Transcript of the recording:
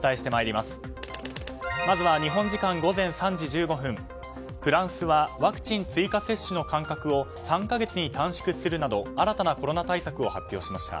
まずは日本時間午前３時１５分フランスはワクチン追加接種の間隔を３か月に短縮するなど新たなコロナ対策を発表しました。